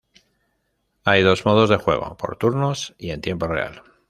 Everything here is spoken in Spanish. Hay dos modos de juego: por turnos y en tiempo real.